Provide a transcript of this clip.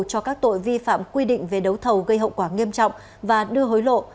cho các tội vi phạm quy định về đấu thầu gây hậu quả nghiêm trọng và đưa hối lộ